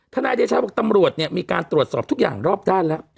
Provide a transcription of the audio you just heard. นายเดชาบอกตำรวจเนี่ยมีการตรวจสอบทุกอย่างรอบด้านแล้ว